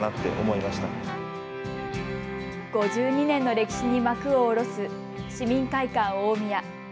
５２年の歴史に幕を下ろす市民会館おおみや。